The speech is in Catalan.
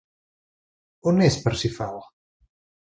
On és Parsifal?